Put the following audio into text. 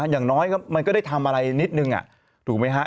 อย่างน้อยมันก็ได้ทำอะไรนิดนึงถูกไหมฮะ